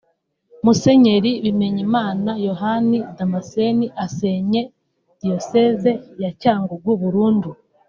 Munsenyeri Bimenyimana Yohani Damaseni asenye Diyoseze ya Cyangugu burundu